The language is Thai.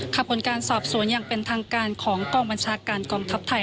ผลการสอบสวนอย่างเป็นทางการของกองบัญชาการกองทัพไทย